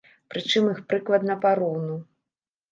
Прычым іх прыкладна пароўну.